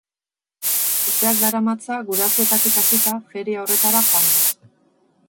Urteak daramatza, gurasoetatik hasita, feria horretara joanez.